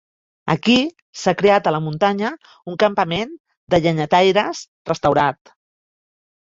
Aquí s'ha creat a la muntanya un campament de llenyataires restaurat.